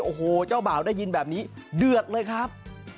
โอ้โหเจ้าบ่าวได้ยินแบบนี้เดือดเลยครับ